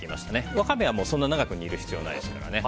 ワカメはそんな長く煮る必要ないですからね。